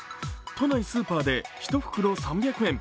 都内スーパーで１袋３００円。